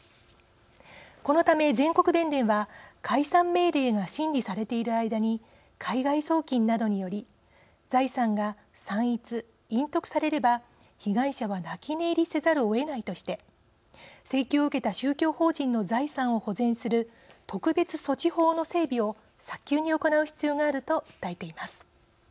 このため全国弁連は解散命令が審理されている間に海外送金などにより財産が散逸・隠匿されれば被害者は泣き寝入りせざるをえないとして、請求を受けた宗教法人の財産を保全する特別措置法の整備を早急に行う必要があると訴えています。